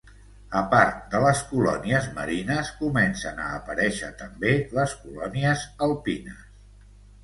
A part de les colònies marines comencen a aparèixer també les colònies alpines.